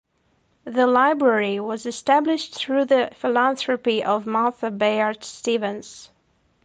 The library was established through the philanthropy of Martha Bayard Stevens.